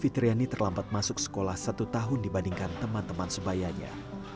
fitriani terlambat masuk sekolah satu tahun dibandingkan teman teman sebayanya